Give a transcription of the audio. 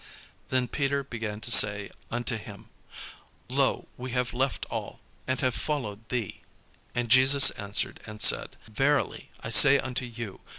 Then Peter began to say unto him, "Lo, we have left all, and have followed thee." And Jesus answered and said: "Verily I say unto you.